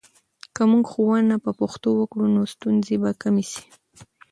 که موږ ښوونه په پښتو وکړو، نو ستونزې به کمې سي.